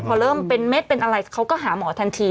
พอเริ่มเป็นเม็ดเป็นอะไรเขาก็หาหมอทันที